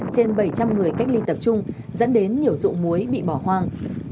trên bảy trăm linh người cách ly tập trung dẫn đến nhiều dụng muối bị bỏ hoang